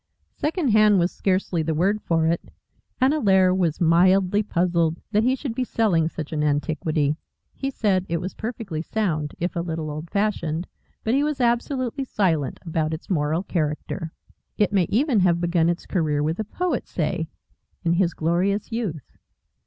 Second hand was scarcely the word for it, and Hare was mildly puzzled that he should be selling such an antiquity. He said it was perfectly sound, if a little old fashioned, but he was absolutely silent about its moral character. It may even have begun its career with a poet, say, in his glorious youth.